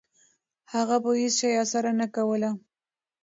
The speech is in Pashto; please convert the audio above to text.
هغه په هیڅ شي اسره نه کوله. .